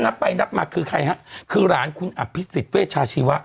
นับไปนับมาคือใครฮะคือหลานคุณอภิษฎเวชาชีวะ